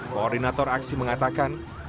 koordinator aksi mengatakan